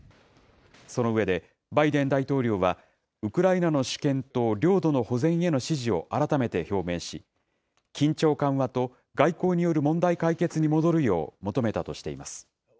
その上で、バイデン大統領は、ウクライナの主権と領土の保全への支持を改めて表明し、緊張緩和と外交による問題解決に戻るよう求めたとしています。